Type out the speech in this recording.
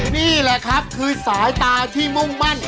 นี่แหละครับคือสายตาที่มุ่งมั่น